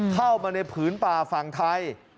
เข้ามาในผืนป่าฝั่งไทย